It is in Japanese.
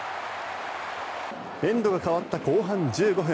エンドが変わった後半１５分。